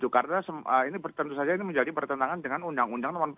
karena ini tentu saja menjadi pertentangan dengan undang undang